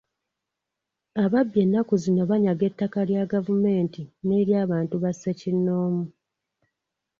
Ababbi ennaku zino banyaga ettaka lya gavumenti n’ery'abantu ba ssekonnoomu.